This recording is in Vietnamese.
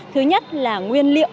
thứ nhất là nguyên liệu